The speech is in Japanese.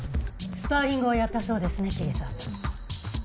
スパーリングをやったそうですね桐沢さん。